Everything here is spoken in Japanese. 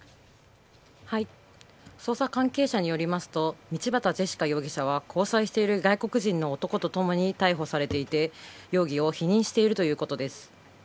捜査関係者によりますと道端ジェシカ容疑者は交際している外国人の男と共に逮捕されていて容疑を否認しているということです。